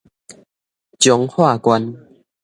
彰化縣